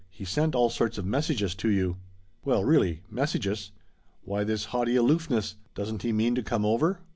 He sent all sorts of messages to you." "Well really! Messages! Why this haughty aloofness? Doesn't he mean to come over?"